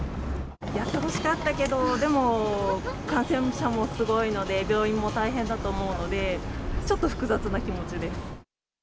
やってほしかったけど、でも、感染者もすごいので、病院も大変だと思うので、ちょっと複雑な気持ちです。